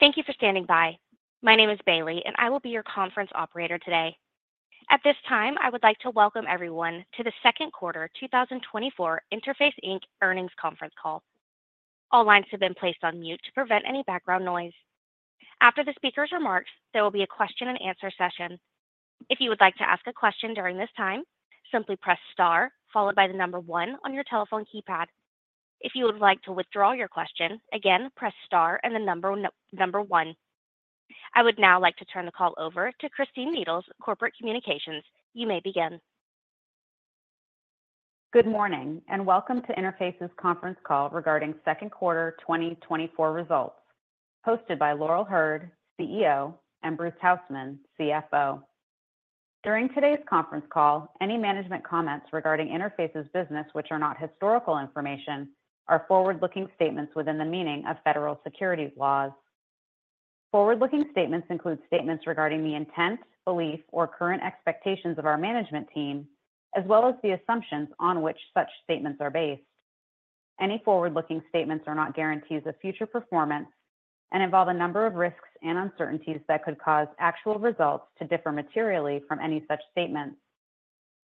Thank you for standing by. My name is Bailey, and I will be your conference operator today. At this time, I would like to welcome everyone to the Q2 2024 Interface Inc. Earnings Conference Call. All lines have been placed on mute to prevent any background noise. After the speaker's remarks, there will be a question and answer session. If you would like to ask a question during this time, simply press star followed by the number one on your telephone keypad. If you would like to withdraw your question again, press star and the number one. I would now like to turn the call over to Christine Needles, Corporate Communications. You may begin. Good morning, and welcome to Interface's Conference Call regarding Q2 2024 results, hosted by Laurel Hurd, CEO, and Bruce Hausmann, CFO. During today's conference call, any management comments regarding Interface's business, which are not historical information, are forward-looking statements within the meaning of federal securities laws. Forward-looking statements include statements regarding the intent, belief, or current expectations of our management team, as well as the assumptions on which such statements are based. Any forward-looking statements are not guarantees of future performance and involve a number of risks and uncertainties that could cause actual results to differ materially from any such statements,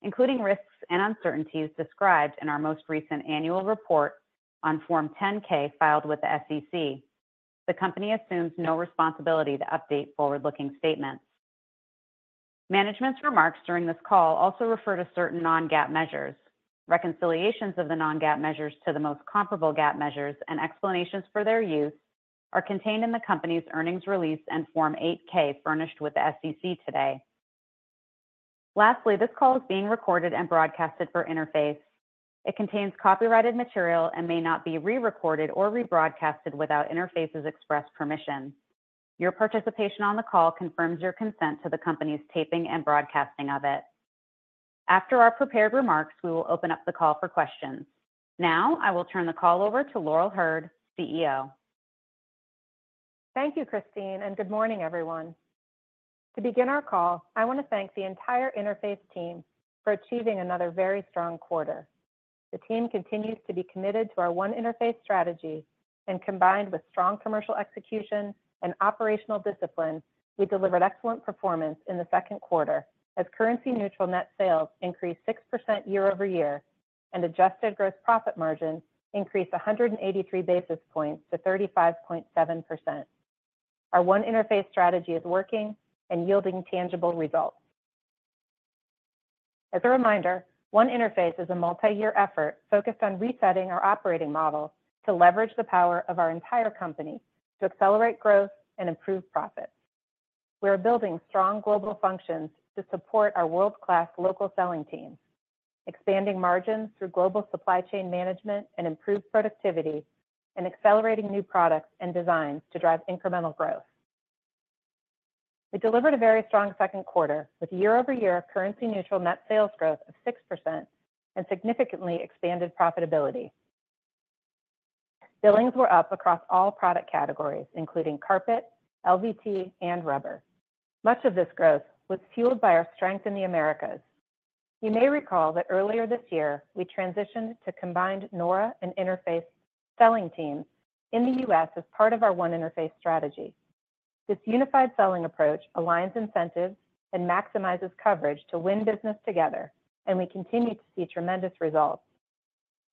including risks and uncertainties described in our most recent annual report on Form 10-K filed with the SEC. The company assumes no responsibility to update forward-looking statements. Management's remarks during this call also refer to certain non-GAAP measures. Reconciliations of the non-GAAP measures to the most comparable GAAP measures and explanations for their use are contained in the company's earnings release and Form 8-K furnished with the SEC today. Lastly, this call is being recorded and broadcasted for Interface. It contains copyrighted material and may not be re-recorded or rebroadcasted without Interface's express permission. Your participation on the call confirms your consent to the company's taping and broadcasting of it. After our prepared remarks, we will open up the call for questions. Now, I will turn the call over to Laurel Hurd, CEO. Thank you, Christine, and good morning, everyone. To begin our call, I want to thank the entire Interface team for achieving another very strong quarter. The team continues to be committed to our One Interface strategy and combined with strong commercial execution and operational discipline, we delivered excellent performance in the Q2 as currency neutral net sales increased 6% year-over-year, and adjusted gross profit margin increased 183 basis points to 35.7%. Our One Interface strategy is working and yielding tangible results. As a reminder, One Interface is a multi-year effort focused on resetting our operating model to leverage the power of our entire company to accelerate growth and improve profits. We are building strong global functions to support our world-class local selling teams, expanding margins through global supply chain management and improved productivity, and accelerating new products and designs to drive incremental growth. We delivered a very strong Q2 with year-over-year currency neutral net sales growth of 6% and significantly expanded profitability. Billings were up across all product categories, including carpet, LVT, and rubber. Much of this growth was fueled by our strength in the Americas. You may recall that earlier this year, we transitioned to combined nora and Interface selling teams in the U.S. as part of our One Interface strategy. This unified selling approach aligns incentives and maximizes coverage to win business together, and we continue to see tremendous results.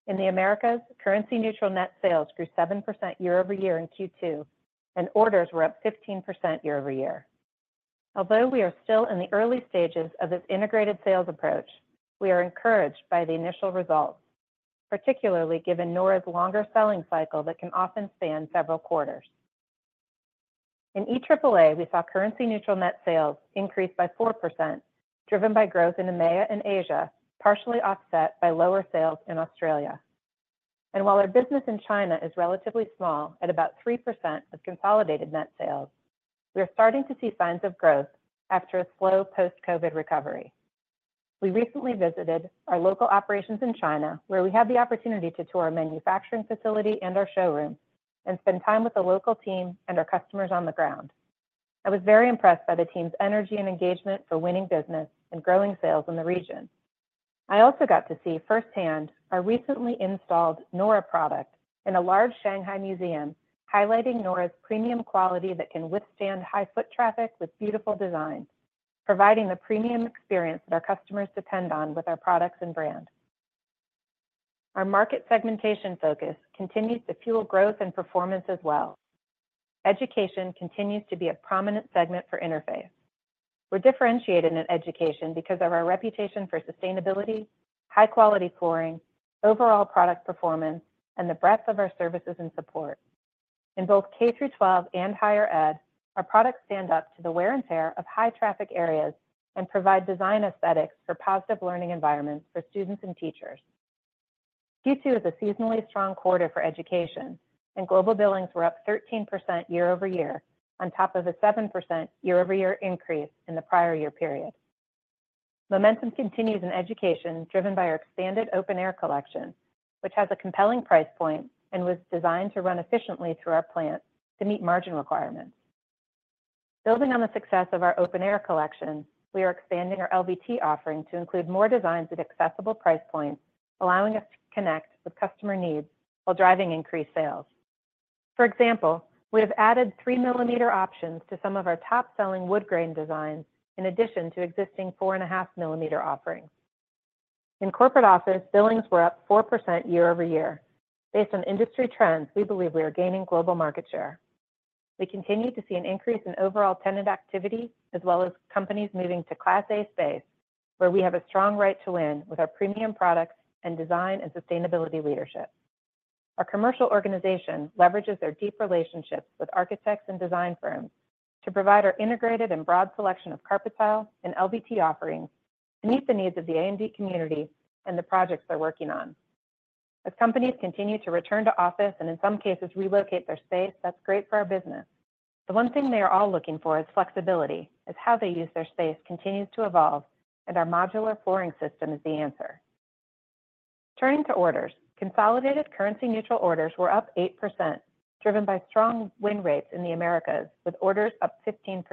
In the Americas, currency neutral net sales grew 7% year-over-year in Q2, and orders were up 15% year-over-year. Although we are still in the early stages of this integrated sales approach, we are encouraged by the initial results, particularly given nora's longer selling cycle that can often span several quarters. In EAAA, we saw currency neutral net sales increase by 4%, driven by growth in EMEA and Asia, partially offset by lower sales in Australia. While our business in China is relatively small at about 3% of consolidated net sales, we are starting to see signs of growth after a slow post-COVID recovery. We recently visited our local operations in China, where we had the opportunity to tour our manufacturing facility and our showroom and spend time with the local team and our customers on the ground. I was very impressed by the team's energy and engagement for winning business and growing sales in the region. I also got to see firsthand our recently installed nora product in a large Shanghai museum, highlighting nora's premium quality that can withstand high foot traffic with beautiful designs, providing the premium experience that our customers depend on with our products and brand. Our market segmentation focus continues to fuel growth and performance as well. Education continues to be a prominent segment for Interface. We're differentiated in education because of our reputation for sustainability, high quality flooring, overall product performance, and the breadth of our services and support. In both K through twelve and higher ed, our products stand up to the wear and tear of high traffic areas and provide design aesthetics for positive learning environments for students and teachers. Q2 is a seasonally strong quarter for education, and global billings were up 13% year-over-year, on top of a 7% year-over-year increase in the prior year period. Momentum continues in education, driven by our expanded Open Air collection, which has a compelling price point and was designed to run efficiently through our plant to meet margin requirements. Building on the success of our Open Air collection, we are expanding our LVT offering to include more designs at accessible price points, allowing us to connect with customer needs while driving increased sales. For example, we have added 3-millimeter options to some of our top-selling wood-grain designs, in addition to existing 4.5-millimeter offerings. In corporate office, billings were up 4% year-over-year. Based on industry trends, we believe we are gaining global market share. We continue to see an increase in overall tenant activity, as well as companies moving to Class A space, where we have a strong right to win with our premium products and design and sustainability leadership. Our commercial organization leverages their deep relationships with architects and design firms to provide our integrated and broad selection of carpet tile and LVT offerings to meet the needs of the A&D community and the projects they're working on. As companies continue to return to office, and in some cases, relocate their space, that's great for our business. The one thing they are all looking for is flexibility, as how they use their space continues to evolve, and our modular flooring system is the answer. Turning to orders, consolidated currency neutral orders were up 8%, driven by strong win rates in the Americas, with orders up 15%.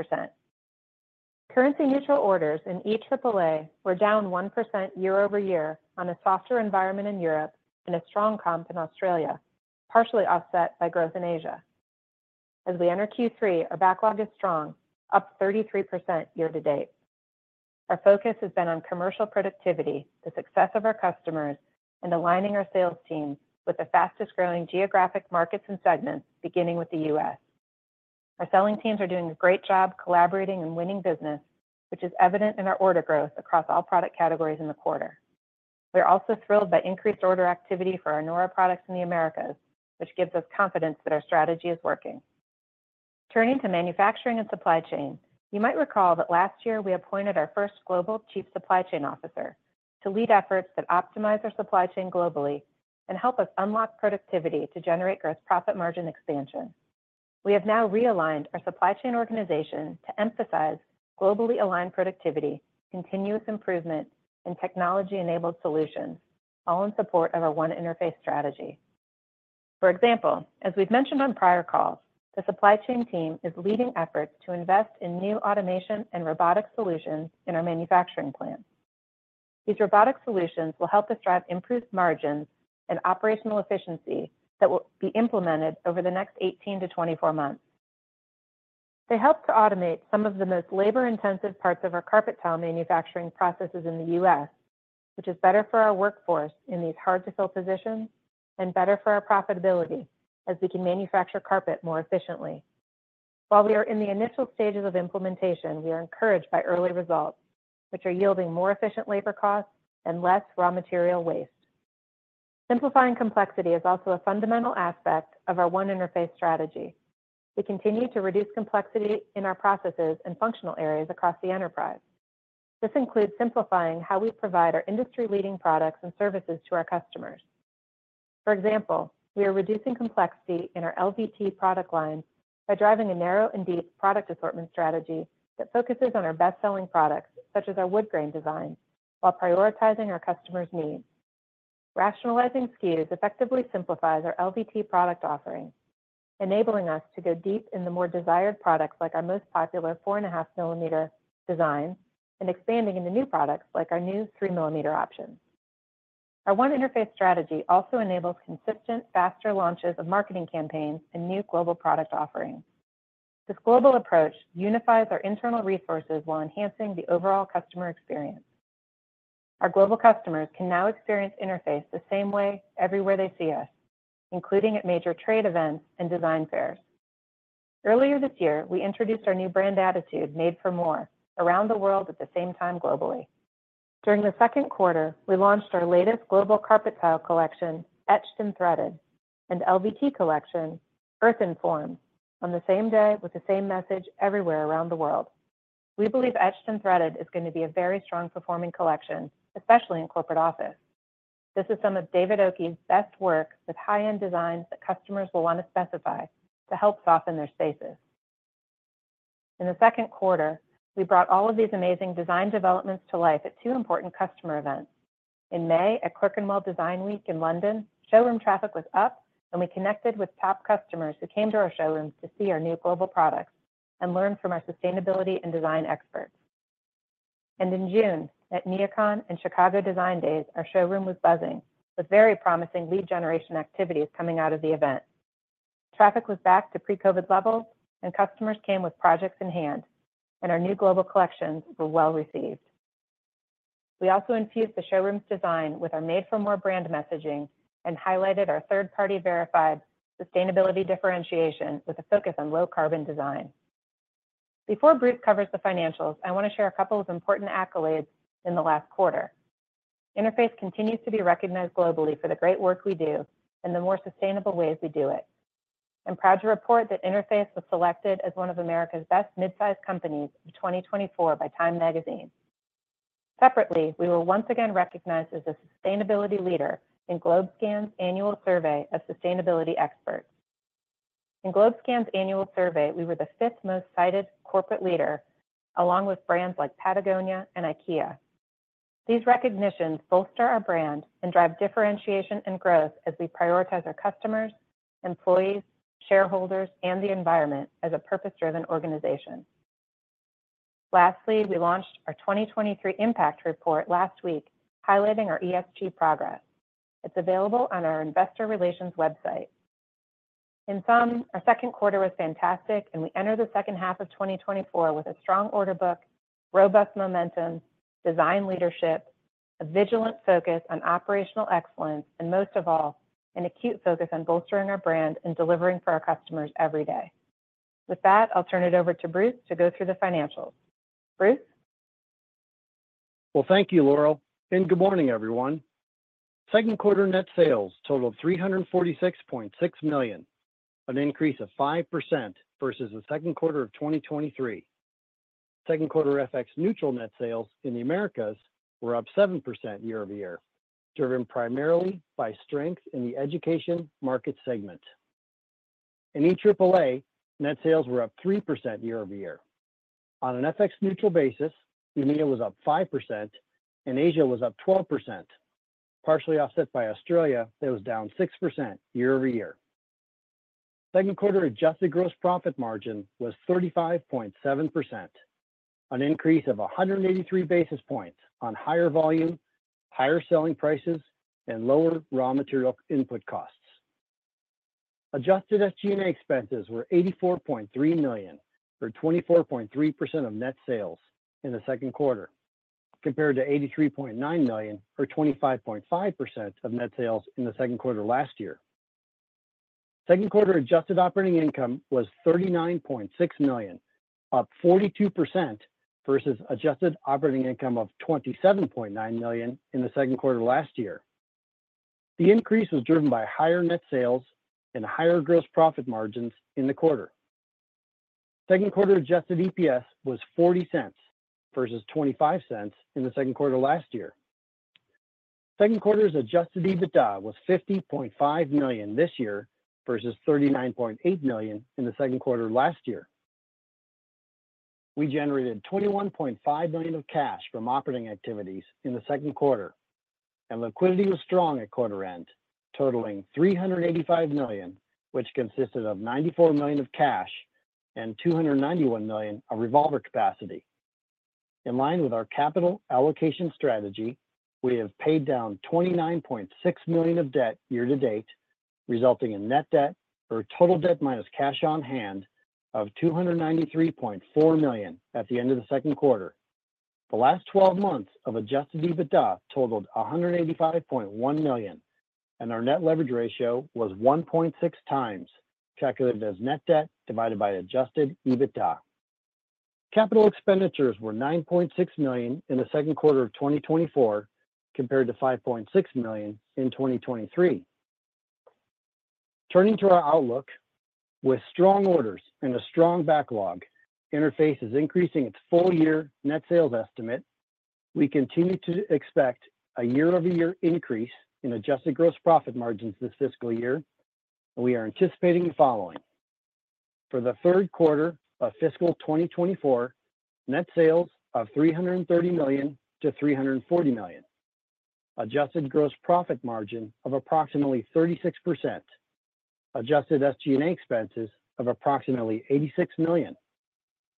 Currency neutral orders in EAAA were down 1% year-over-year on a softer environment in Europe and a strong comp in Australia, partially offset by growth in Asia. As we enter Q3, our backlog is strong, up 33% year to date. Our focus has been on commercial productivity, the success of our customers, and aligning our sales team with the fastest-growing geographic markets and segments, beginning with the U.S. Our selling teams are doing a great job collaborating and winning business, which is evident in our order growth across all product categories in the quarter. We are also thrilled by increased order activity for our nora products in the Americas, which gives us confidence that our strategy is working. Turning to manufacturing and supply chain, you might recall that last year we appointed our first Global Chief Supply Chain Officer to lead efforts that optimize our supply chain globally and help us unlock productivity to generate gross profit margin expansion. We have now realigned our supply chain organization to emphasize globally aligned productivity, continuous improvement, and technology-enabled solutions, all in support of our One Interface strategy. For example, as we've mentioned on prior calls, the supply chain team is leading efforts to invest in new automation and robotic solutions in our manufacturing plants. These robotic solutions will help us drive improved margins and operational efficiency that will be implemented over the next 18-24 months. They help to automate some of the most labor-intensive parts of our carpet tile manufacturing processes in the U.S., which is better for our workforce in these hard-to-fill positions and better for our profitability, as we can manufacture carpet more efficiently. While we are in the initial stages of implementation, we are encouraged by early results, which are yielding more efficient labor costs and less raw material waste. Simplifying complexity is also a fundamental aspect of our One Interface strategy. We continue to reduce complexity in our processes and functional areas across the enterprise. This includes simplifying how we provide our industry-leading products and services to our customers. For example, we are reducing complexity in our LVT product line by driving a narrow and deep product assortment strategy that focuses on our best-selling products, such as our wood grain design, while prioritizing our customers' needs. Rationalizing SKUs effectively simplifies our LVT product offering, enabling us to go deep in the more desired products, like our most popular 4.5-millimeter designs, and expanding into new products like our new 3-millimeter options. Our One Interface strategy also enables consistent, faster launches of marketing campaigns and new global product offerings. This global approach unifies our internal resources while enhancing the overall customer experience. Our global customers can now experience Interface the same way everywhere they see us, including at major trade events and design fairs. Earlier this year, we introduced our new brand attitude, Made for More, around the world at the same time globally. During the Q2, we launched our latest global carpet tile collection, Etched & Threaded, and LVT collection, Earthen Forms, on the same day with the same message everywhere around the world. We believe Etched & Threaded is going to be a very strong performing collection, especially in corporate office. This is some of David Oakey's best work, with high-end designs that customers will want to specify to help soften their spaces. In the Q2, we brought all of these amazing design developments to life at two important customer events. In May, at Clerkenwell Design Week in London, showroom traffic was up, and we connected with top customers who came to our showrooms to see our new global products and learn from our sustainability and design experts. In June, at NeoCon and Chicago Design Days, our showroom was buzzing, with very promising lead generation activities coming out of the event. Traffic was back to pre-COVID levels, and customers came with projects in hand, and our new global collections were well received. We also infused the showroom's design with our Made for More brand messaging and highlighted our third-party verified sustainability differentiation with a focus on low carbon design. Before Bruce covers the financials, I want to share a couple of important accolades in the last quarter. Interface continues to be recognized globally for the great work we do and the more sustainable ways we do it. I'm proud to report that Interface was selected as one of America's Best Mid-Size Companies in 2024 by Time magazine. Separately, we were once again recognized as a sustainability leader in GlobeScan's annual survey of sustainability experts. In GlobeScan's annual survey, we were the fifth most cited corporate leader, along with brands like Patagonia and IKEA. These recognitions bolster our brand and drive differentiation and growth as we prioritize our customers, employees, shareholders, and the environment as a purpose-driven organization. Lastly, we launched our 2023 impact report last week, highlighting our ESG progress. It's available on our investor relations website. In sum, our Q2 was fantastic, and we enter the second half of 2024 with a strong order book, robust momentum, design leadership, a vigilant focus on operational excellence, and most of all, an acute focus on bolstering our brand and delivering for our customers every day. With that, I'll turn it over to Bruce to go through the financials. Bruce? Well, thank you, Laurel, and good morning, everyone. Q2 net sales totaled $346.6 million, an increase of 5% versus the Q2 of 2023. Q2 FX neutral net sales in the Americas were up 7% year-over-year, driven primarily by strength in the education market segment. In EAAA, net sales were up 3% year-over-year. On an FX neutral basis, EMEA was up 5%, and Asia was up 12%, partially offset by Australia, that was down 6% year-over-year. Q2 adjusted gross profit margin was 35.7%, an increase of 183 basis points on higher volume, higher selling prices, and lower raw material input costs. Adjusted SG&A expenses were $84.3 million, or 24.3% of net sales in the Q2, compared to $83.9 million, or 25.5% of net sales in the Q2 last year. Q2 adjusted operating income was $39.6 million, up 42% versus adjusted operating income of $27.9 million in the Q2 last year. The increase was driven by higher net sales and higher gross profit margins in the quarter. Q2 adjusted EPS was $0.40 versus $0.25 in the Q2 last year. Q2's adjusted EBITDA was $50.5 million this year versus $39.8 million in the Q2 last year. We generated $21.5 million of cash from operating activities in the Q2, and liquidity was strong at quarter end, totaling $385 million, which consisted of $94 million of cash and $291 million of revolver capacity. In line with our capital allocation strategy, we have paid down $29.6 million of debt year-to-date, resulting in net debt, or total debt minus cash on hand, of $293.4 million at the end of the Q2. The last twelve months of adjusted EBITDA totaled $185.1 million, and our net leverage ratio was 1.6 times, calculated as net debt divided by adjusted EBITDA. Capital expenditures were $9.6 million in the Q2 of 2024, compared to $5.6 million in 2023. Turning to our outlook. With strong orders and a strong backlog, Interface is increasing its full-year net sales estimate. We continue to expect a year-over-year increase in adjusted gross profit margins this fiscal year, and we are anticipating the following: For the Q3 of fiscal 2024, net sales of $330 million-$340 million. Adjusted gross profit margin of approximately 36%. Adjusted SG&A expenses of approximately $86 million.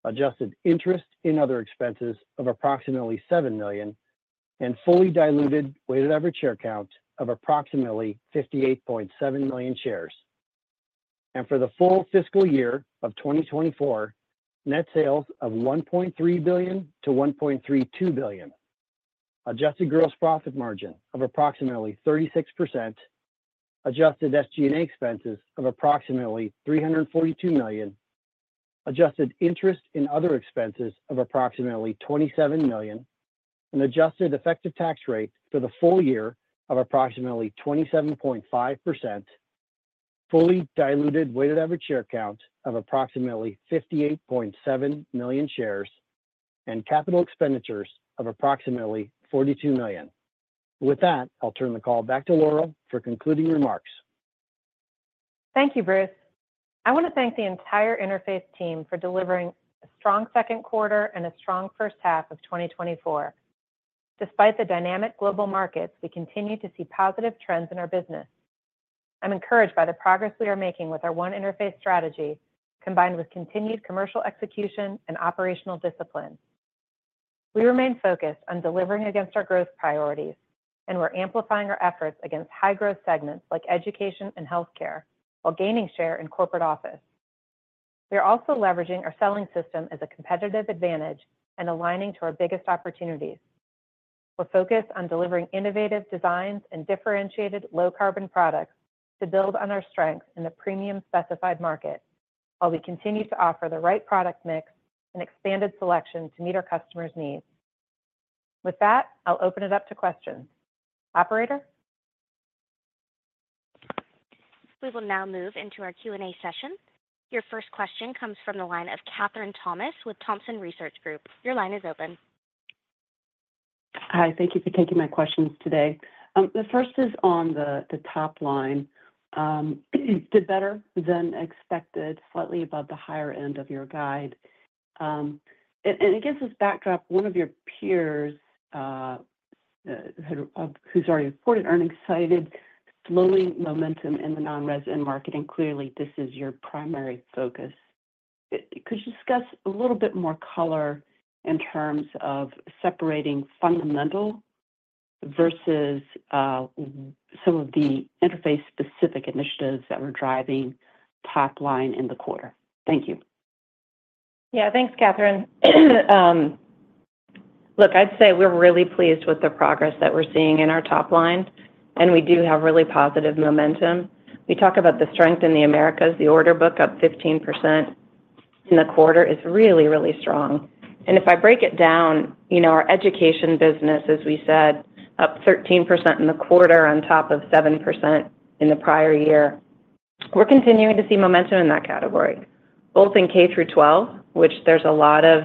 Adjusted interest and other expenses of approximately $7 million, and fully diluted weighted average share count of approximately 58.7 million shares. For the full fiscal year of 2024, net sales of $1.3 billion-$1.32 billion. Adjusted gross profit margin of approximately 36%. Adjusted SG&A expenses of approximately $342 million. Adjusted interest in other expenses of approximately $27 million, an adjusted effective tax rate for the full year of approximately 27.5%. Fully diluted weighted average share count of approximately 58.7 million shares, and capital expenditures of approximately $42 million. With that, I'll turn the call back to Laurel for concluding remarks. Thank you, Bruce. I want to thank the entire Interface team for delivering a strong Q2 and a strong first half of 2024. Despite the dynamic global markets, we continue to see positive trends in our business. I'm encouraged by the progress we are making with our One Interface strategy, combined with continued commercial execution and operational discipline. We remain focused on delivering against our growth priorities, and we're amplifying our efforts against high-growth segments like education and healthcare, while gaining share in corporate office. We are also leveraging our selling system as a competitive advantage and aligning to our biggest opportunities. We're focused on delivering innovative designs and differentiated low-carbon products to build on our strengths in the premium specified market, while we continue to offer the right product mix and expanded selection to meet our customers' needs. With that, I'll open it up to questions. Operator? We will now move into our Q&A session. Your first question comes from the line of Kathryn Thompson with Thompson Research Group. Your line is open. Hi, thank you for taking my questions today. The first is on the top line. It did better than expected, slightly above the higher end of your guide. And it gives us a backdrop, one of your peers who's already reported are citing slowing momentum in the non-res market, and clearly this is your primary focus. Could you discuss a little bit more color in terms of separating fundamental versus some of the Interface-specific initiatives that were driving top line in the quarter? Thank you. Yeah, thanks, Christine. Look, I'd say we're really pleased with the progress that we're seeing in our top line, and we do have really positive momentum. We talk about the strength in the Americas, the order book up 15% in the quarter is really, really strong. And if I break it down, you know, our education business, as we said, up 13% in the quarter on top of 7% in the prior year. We're continuing to see momentum in that category, both in K-12, which there's a lot of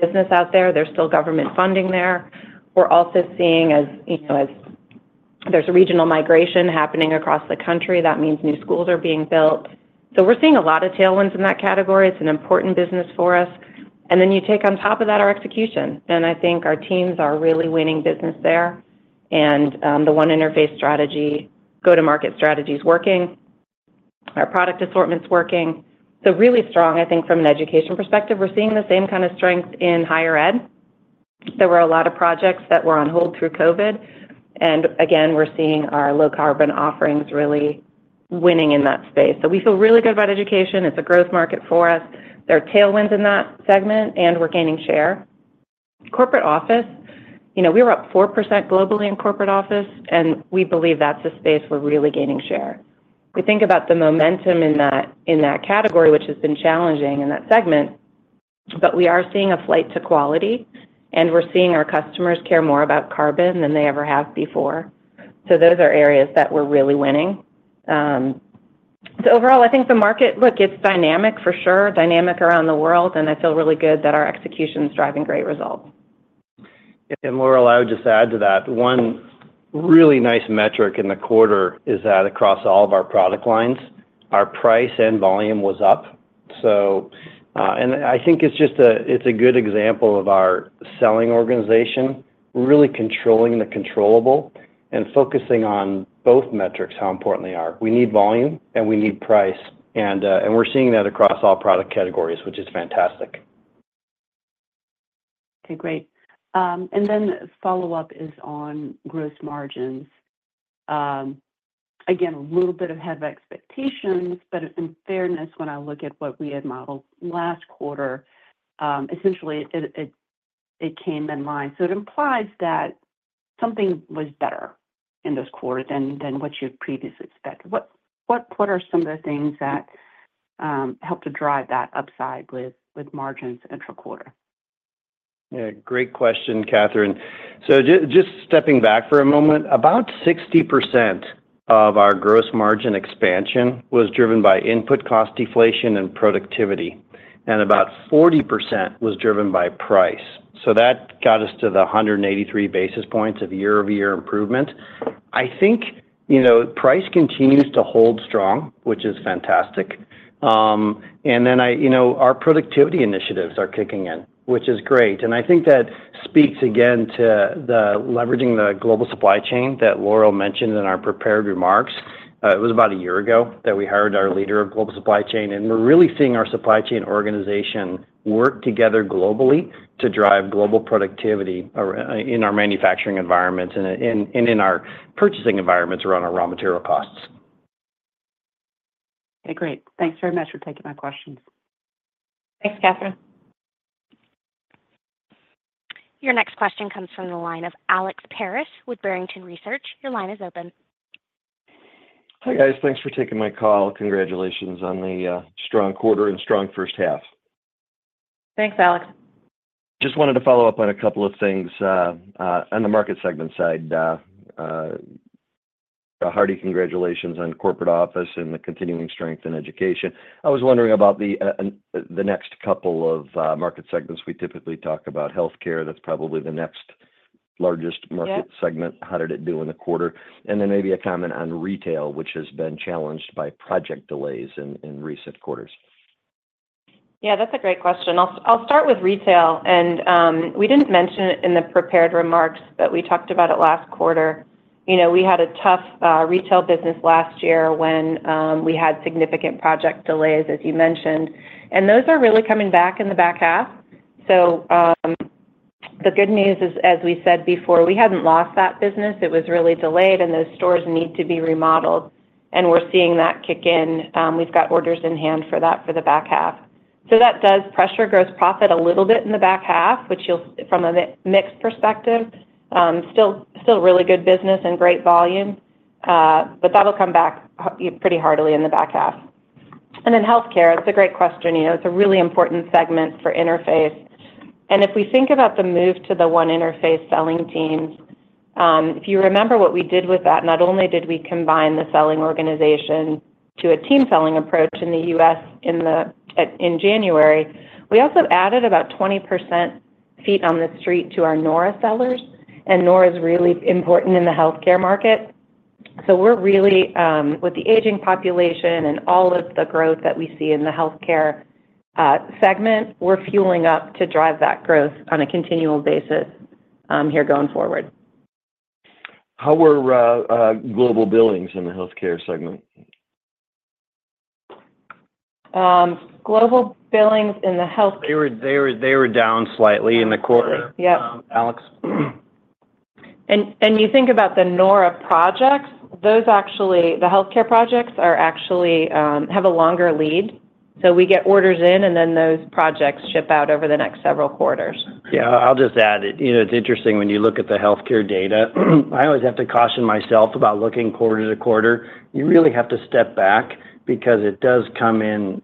business out there. There's still government funding there. We're also seeing, you know, as there's a regional migration happening across the country, that means new schools are being built. So we're seeing a lot of tailwinds in that category. It's an important business for us. And then you take on top of that, our execution, and I think our teams are really winning business there. And the One Interface strategy, go-to-market strategy is working. Our product assortment is working. So really strong, I think from an education perspective, we're seeing the same kind of strength in higher ed. There were a lot of projects that were on hold through COVID, and again, we're seeing our low carbon offerings really winning in that space. So we feel really good about education. It's a growth market for us. There are tailwinds in that segment, and we're gaining share. Corporate office, you know, we were up 4% globally in corporate office, and we believe that's a space we're really gaining share. We think about the momentum in that, in that category, which has been challenging in that segment, but we are seeing a flight to quality, and we're seeing our customers care more about carbon than they ever have before. So those are areas that we're really winning. So overall, I think the market, look, it's dynamic for sure, dynamic around the world, and I feel really good that our execution is driving great results. And Laurel, I would just add to that, one really nice metric in the quarter is that across all of our product lines, our price and volume was up. So, I think it's just a good example of our selling organization, really controlling the controllable and focusing on both metrics, how important they are. We need volume, and we need price, and we're seeing that across all product categories, which is fantastic. Okay, great. And then follow up is on gross margins. Again, a little bit ahead of expectations, but in fairness, when I look at what we had modeled last quarter, essentially, it came in line. So it implies that something was better in this quarter than what you'd previously expected. What are some of the things that helped to drive that upside with margins intra-quarter? Yeah, great question, Kathryn. So just stepping back for a moment, about 60% of our gross margin expansion was driven by input cost deflation and productivity, and about 40% was driven by price. So that got us to the 183 basis points of year-over-year improvement. I think, you know, price continues to hold strong, which is fantastic. And then I, you know, our productivity initiatives are kicking in, which is great, and I think that speaks again to the leveraging the global supply chain that Laurel mentioned in our prepared remarks. It was about a year ago that we hired our leader of global supply chain, and we're really seeing our supply chain organization work together globally to drive global productivity, in our manufacturing environments and in our purchasing environments around our raw material costs. Okay, great. Thanks very much for taking my questions. Thanks, Catherine. Your next question comes from the line of Alex Paris with Barrington Research. Your line is open. Hi, guys. Thanks for taking my call. Congratulations on the strong quarter and strong first half. Thanks, Alex. Just wanted to follow up on a couple of things on the market segment side. A hearty congratulations on corporate office and the continuing strength in education. I was wondering about the next couple of market segments. We typically talk about healthcare. That's probably the next largest market. Yeah -segment. How did it do in the quarter? Then maybe a comment on retail, which has been challenged by project delays in recent quarters. Yeah, that's a great question. I'll start with retail, and we didn't mention it in the prepared remarks, but we talked about it last quarter. You know, we had a tough retail business last year when we had significant project delays, as you mentioned, and those are really coming back in the back half. So the good news is, as we said before, we hadn't lost that business. It was really delayed, and those stores need to be remodeled, and we're seeing that kick in. We've got orders in hand for that for the back half. So that does pressure gross profit a little bit in the back half, which you'll from a mixed perspective, still really good business and great volume, but that'll come back pretty hardly in the back half. And then healthcare, it's a great question. You know, it's a really important segment for Interface. And if we think about the move to the One Interface selling teams, if you remember what we did with that, not only did we combine the selling organization to a team-selling approach in the U.S. in January, we also added about 20% feet on the street to our nora sellers, and nora is really important in the healthcare market. So we're really, with the aging population and all of the growth that we see in the healthcare segment, we're fueling up to drive that growth on a continual basis, here going forward. How were global billings in the healthcare segment? Global billings in the health- They were down slightly in the quarter- Yep. Um, Alex. You think about the nora projects, those actually—the healthcare projects are actually have a longer lead, so we get orders in, and then those projects ship out over the next several quarters. Yeah, I'll just add, you know, it's interesting when you look at the healthcare data. I always have to caution myself about looking quarter to quarter. You really have to step back because it does come in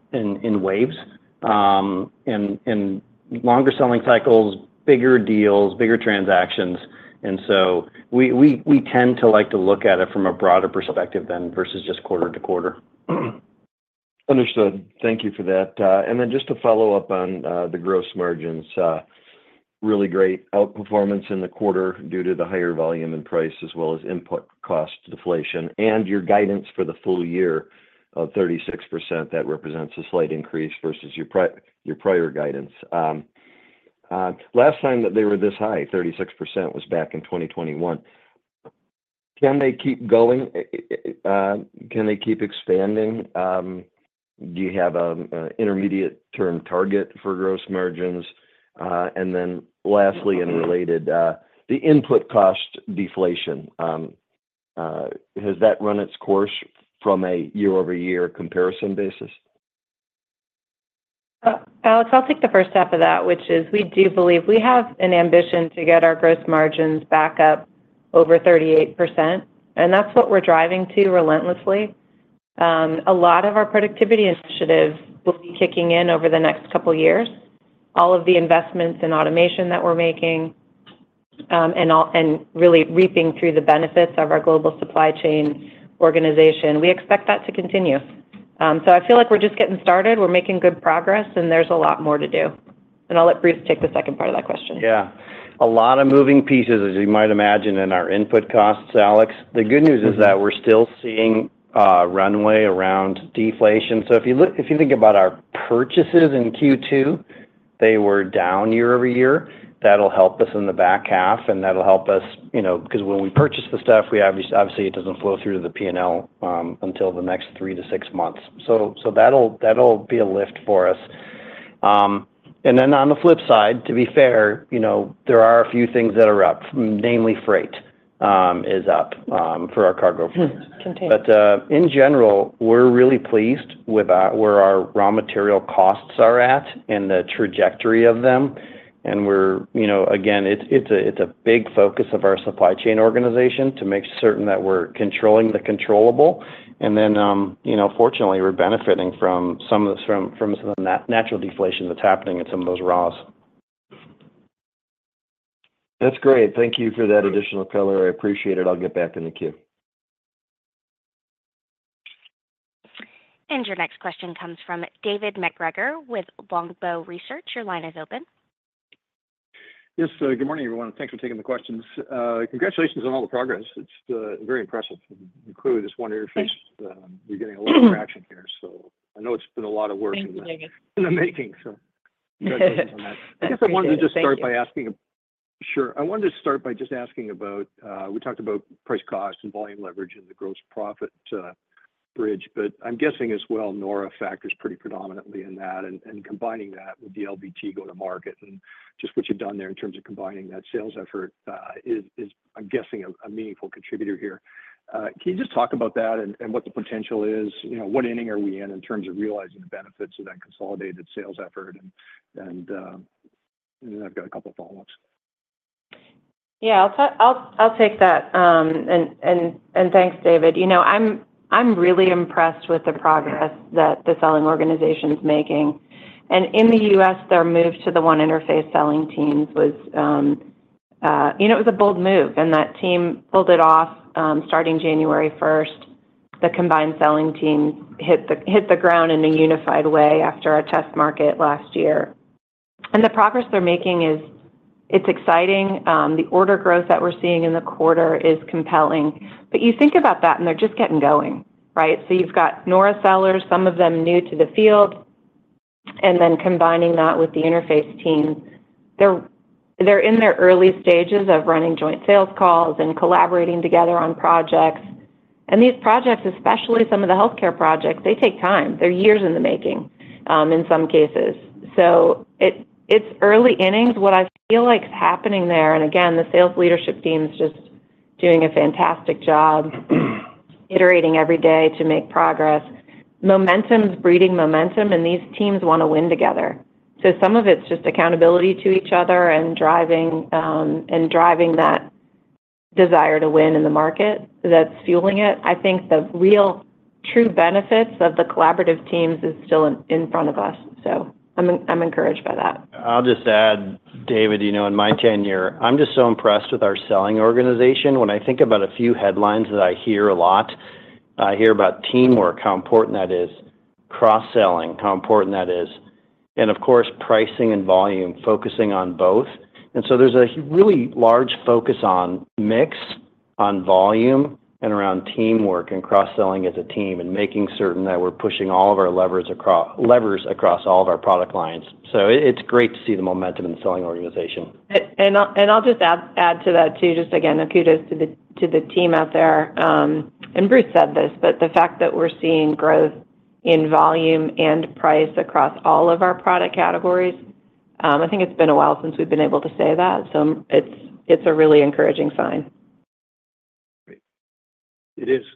waves, and longer selling cycles, bigger deals, bigger transactions. And so we tend to like to look at it from a broader perspective than versus just quarter to quarter. Understood. Thank you for that. And then just to follow up on the gross margins, really great outperformance in the quarter due to the higher volume and price, as well as input cost deflation, and your guidance for the full year of 36%, that represents a slight increase versus your prior guidance. Last time that they were this high, 36%, was back in 2021. Can they keep going? Can they keep expanding? Do you have a intermediate-term target for gross margins? And then lastly, and related, the input cost deflation, has that run its course from a year-over-year comparison basis? Alex, I'll take the first half of that, which is we do believe we have an ambition to get our gross margins back up over 38%, and that's what we're driving to relentlessly. A lot of our productivity initiatives will be kicking in over the next couple of years. All of the investments in automation that we're making, and really reaping through the benefits of our global supply chain organization, we expect that to continue. So I feel like we're just getting started, we're making good progress, and there's a lot more to do. I'll let Bruce take the second part of that question. Yeah. A lot of moving pieces, as you might imagine, in our input costs, Alex. The good news is that we're still seeing runway around deflation. So if you think about our purchases in Q2, they were down year-over-year. That'll help us in the back half, and that'll help us, you know, 'cause when we purchase the stuff, we obviously it doesn't flow through to the P&L until the next 3-6 months. So that'll be a lift for us. And then on the flip side, to be fair, you know, there are a few things that are up, namely freight is up for our cargo ships. Container. But in general, we're really pleased with where our raw material costs are at and the trajectory of them, and we're you know, again, it's a big focus of our supply chain organization to make certain that we're controlling the controllable. And then, you know, fortunately, we're benefiting from some of this from some of the natural deflation that's happening in some of those raws. That's great. Thank you for that additional color. I appreciate it. I'll get back in the queue. Your next question comes from David MacGregor with Longbow Research. Your line is open. Yes, good morning, everyone, and thanks for taking the questions. Congratulations on all the progress. It's very impressive. Including this One Interface. Thanks. You're getting a lot of traction here, so I know it's been a lot of work- Thank you, David.... in the making, so congratulations on that. I appreciate it. Thank you. I wanted to start by just asking about, we talked about price, cost, and volume leverage in the gross profit bridge, but I'm guessing as well, nora factors pretty predominantly in that, and combining that with the LVT go-to-market and just what you've done there in terms of combining that sales effort, is, I'm guessing, a meaningful contributor here. Can you just talk about that and what the potential is? You know, what inning are we in in terms of realizing the benefits of that consolidated sales effort, and I've got a couple of follow-ups. Yeah, I'll take that. Thanks, David. You know, I'm really impressed with the progress that the selling organization is making. And in the U.S., their move to the One Interface selling teams was. You know, it was a bold move, and that team pulled it off, starting January first. The combined selling team hit the ground in a unified way after our test market last year. And the progress they're making is exciting. The order growth that we're seeing in the quarter is compelling. But you think about that, and they're just getting going, right? So you've got nora sellers, some of them new to the field, and then combining that with the Interface team. They're in their early stages of running joint sales calls and collaborating together on projects. And these projects, especially some of the healthcare projects, they take time. They're years in the making, in some cases. So it's early innings. What I feel like is happening there, and again, the sales leadership team is just doing a fantastic job, iterating every day to make progress. Momentum is breeding momentum, and these teams wanna win together. So some of it's just accountability to each other and driving, and driving that desire to win in the market that's fueling it. I think the real true benefits of the collaborative teams is still in front of us, so I'm encouraged by that. I'll just add, David, you know, in my tenure, I'm just so impressed with our selling organization. When I think about a few headlines that I hear a lot, I hear about teamwork, how important that is, cross-selling, how important that is, and of course, pricing and volume, focusing on both. And so there's a really large focus on mix, on volume, and around teamwork and cross-selling as a team, and making certain that we're pushing all of our levers across, levers across all of our product lines. So it's great to see the momentum in the selling organization. And I'll just add to that, too, just again, a kudos to the team out there. And Bruce said this, but the fact that we're seeing growth in volume and price across all of our product categories, I think it's been a while since we've been able to say that, so it's a really encouraging sign. Great. It is.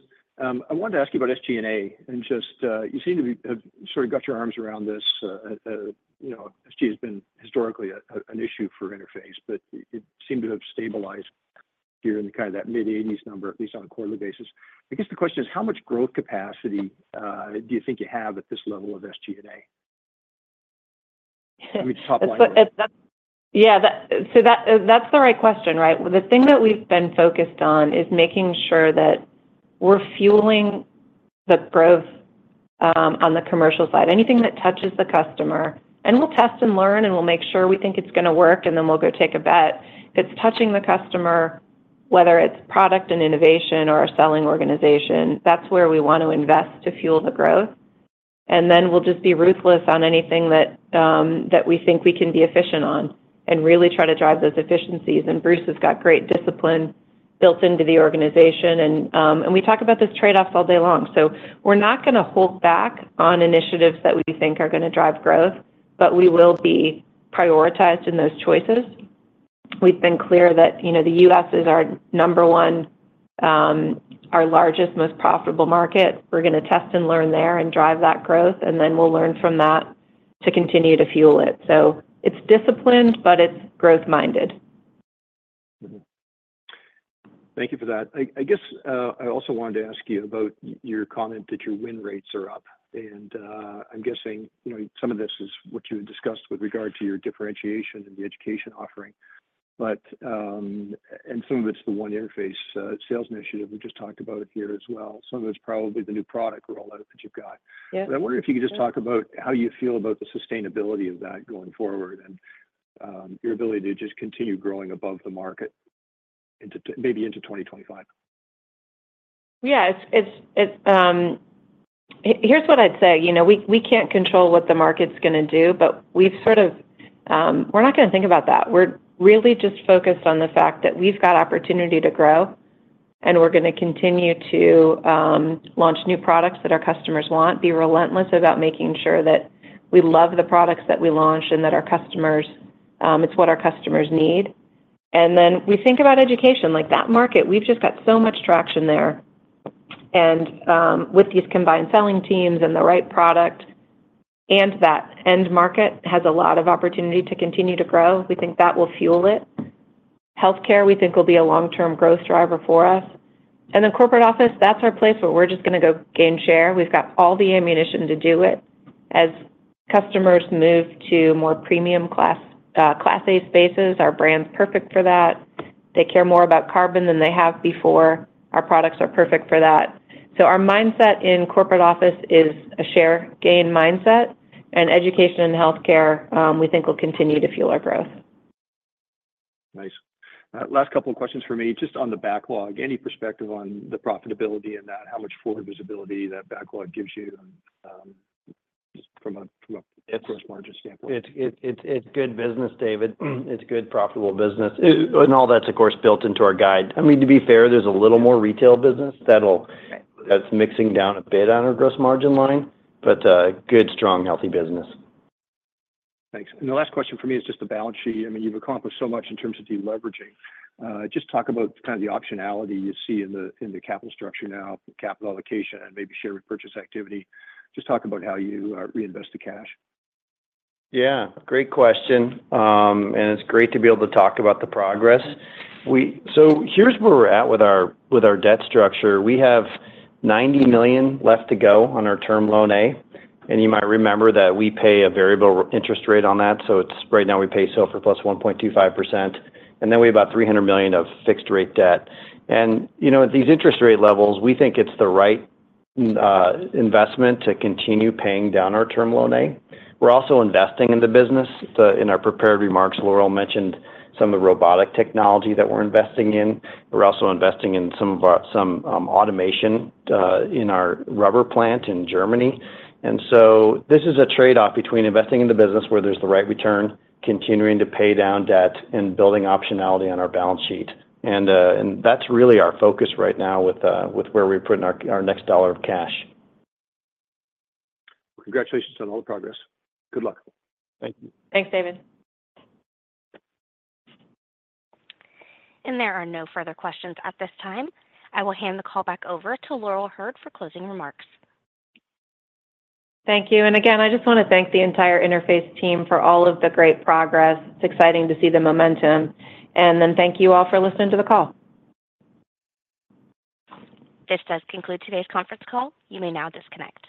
I wanted to ask you about SG&A, and just, you seem to have sort of got your arms around this. You know, SG has been historically an issue for Interface, but it seemed to have stabilized here in the kind of that mid-80s number, at least on a quarterly basis. I guess the question is, how much growth capacity do you think you have at this level of SG&A? I mean, just top line- Yeah, that's the right question, right? Well, the thing that we've been focused on is making sure that we're fueling the growth on the commercial side. Anything that touches the customer, and we'll test and learn, and we'll make sure we think it's gonna work, and then we'll go take a bet. If it's touching the customer, whether it's product and innovation or our selling organization, that's where we want to invest to fuel the growth. And then we'll just be ruthless on anything that we think we can be efficient on and really try to drive those efficiencies. And Bruce has got great discipline built into the organization. And we talk about these trade-offs all day long. We're not gonna hold back on initiatives that we think are gonna drive growth, but we will be prioritized in those choices. We've been clear that, you know, the U.S. is our number one, our largest, most profitable market. We're gonna test and learn there and drive that growth, and then we'll learn from that to continue to fuel it. It's disciplined, but it's growth-minded. Mm-hmm. Thank you for that. I guess I also wanted to ask you about your comment that your win rates are up, and I'm guessing, you know, some of this is what you had discussed with regard to your differentiation in the education offering. But, and some of it's the One Interface sales initiative we just talked about here as well. Some of it's probably the new product rollout that you've got. Yeah. I wonder if you could just talk about how you feel about the sustainability of that going forward and your ability to just continue growing above the market into maybe into 2025. Yeah, it's, it's, it's... Here's what I'd say. You know, we can't control what the market's gonna do, but we've sort of, we're not gonna think about that. We're really just focused on the fact that we've got opportunity to grow, and we're gonna continue to launch new products that our customers want, be relentless about making sure that we love the products that we launch and that our customers, it's what our customers need. And then we think about education, like that market, we've just got so much traction there. And, with these combined selling teams and the right product, and that end market has a lot of opportunity to continue to grow. We think that will fuel it. Healthcare, we think, will be a long-term growth driver for us. Then corporate office, that's our place where we're just gonna go gain share. We've got all the ammunition to do it. As customers move to more premium class, Class A spaces, our brand's perfect for that. They care more about carbon than they have before. Our products are perfect for that. So our mindset in corporate office is a share gain mindset, and education and healthcare, we think will continue to fuel our growth. Nice. Last couple of questions from me. Just on the backlog, any perspective on the profitability and that, how much forward visibility that backlog gives you, just from a- It's- gross margin standpoint? It's good business, David. It's good, profitable business. And all that's, of course, built into our guide. I mean, to be fair, there's a little more retail business that'll- Okay... that's mixing down a bit on our gross margin line, but, good, strong, healthy business. Thanks. And the last question for me is just the balance sheet. I mean, you've accomplished so much in terms of deleveraging. Just talk about kind of the optionality you see in the, in the capital structure now, capital allocation, and maybe share repurchase activity. Just talk about how you reinvest the cash. Yeah, great question. And it's great to be able to talk about the progress. So here's where we're at with our debt structure. We have $90 million left to go on our Term Loan A, and you might remember that we pay a variable interest rate on that, so right now we pay SOFR plus 1.25%, and then we have about $300 million of fixed-rate debt. And, you know, at these interest rate levels, we think it's the right investment to continue paying down our Term Loan A. We're also investing in the business. In our prepared remarks, Laurel mentioned some of the robotic technology that we're investing in. We're also investing in some of our automation in our rubber plant in Germany. And so this is a trade-off between investing in the business where there's the right return, continuing to pay down debt, and building optionality on our balance sheet. And that's really our focus right now with where we're putting our next dollar of cash. Congratulations on all the progress. Good luck. Thank you. Thanks, David. There are no further questions at this time. I will hand the call back over to Laurel Hurd for closing remarks. Thank you. And again, I just wanna thank the entire Interface team for all of the great progress. It's exciting to see the momentum. And then thank you all for listening to the call. This does conclude today's conference call. You may now disconnect.